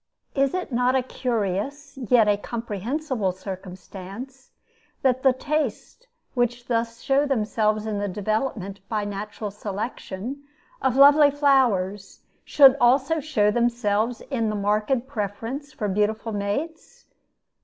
Is it not a curious, yet a comprehensible circumstance, that the tastes which thus show themselves in the development, by natural selection, of lovely flowers, should also show themselves in the marked preference for beautiful mates?